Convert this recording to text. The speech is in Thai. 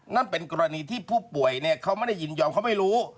นั่นเป็นกรณีที่ผู้ป่วยเนี่ยเขาไม่ได้ยินยอมเขาไม่รู้